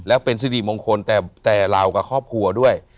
แล้วเป็นสิริมงคลแต่เรากับครอบครัวด้วย